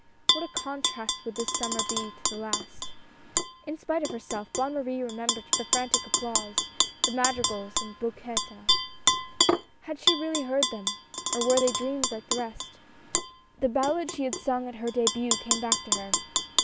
What a contrast would this summer be to the last. In spite of herself, Bonne Marie remem bered the frantic applause, the madrigals, and bouquets. Had she really heard them, or were they dreams like the rest. The ballad she had sung at her debut came back to her.